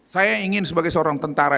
saya ingin sebagai seorang tentara